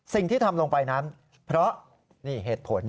สิ่งที่ทำลงไปนั้นเพราะนี่เหตุผล